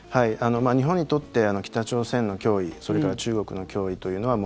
日本にとって北朝鮮の脅威それから中国の脅威というのは